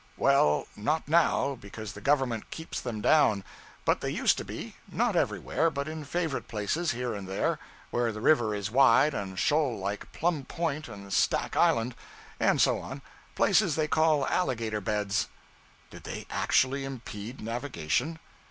'Well, not now, because the Government keeps them down. But they used to be. Not everywhere; but in favorite places, here and there, where the river is wide and shoal like Plum Point, and Stack Island, and so on places they call alligator beds.' 'Did they actually impede navigation?'